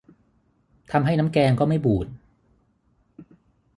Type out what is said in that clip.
ทำให้น้ำแกงก็ไม่บูด